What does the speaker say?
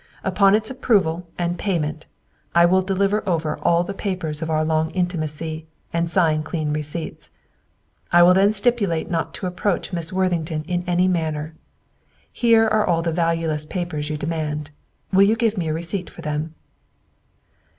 Upon its approval and payment, I will deliver over all the papers of our long intimacy, and sign clean receipts. "I will then stipulate not to approach Miss Worthington in any manner. Here are all the valueless papers you demand. Will you give me a receipt for them?"